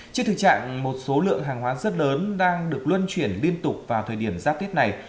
trên thực trạng một số lượng hàng hóa rất lớn đang được luân chuyển liên tục vào thời điểm giáp tết này